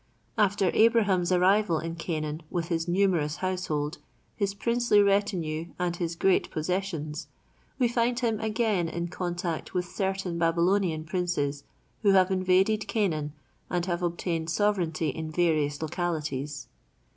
After Abraham's arrival in Canaan with his numerous household, his princely retinue and his great possessions, we find him again in contact with certain Babylonian princes who have invaded Canaan and have obtained sovereignty in various localities.